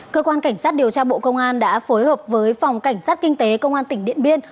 cơ quan cảnh sát điều tra bộ công an đã phối hợp với phòng cảnh sát kinh tế công an tỉnh điện biên